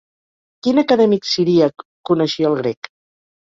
Quin acadèmic siríac coneixia el grec?